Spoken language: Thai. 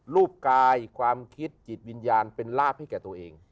รูปกายความคิดจิตวิญญาณเป็นลาบให้แก่ตัวเอง